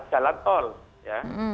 jalan tol ya